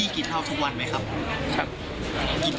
กินเยอะไหม